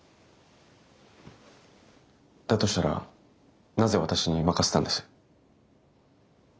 だとしたらなぜ私に任せたんです？